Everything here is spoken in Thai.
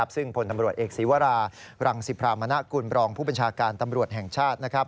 ซึ่งผลตำรวจเอกศีวรารังสิพรามณกุลบรองผู้บัญชาการตำรวจแห่งชาติ